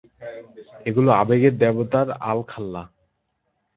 এগুলো আবেগের দেবতাদের আলখাল্লা।